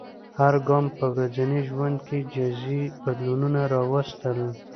هر ګام په ورځني ژوند کې جزیي بدلونونه راوستل.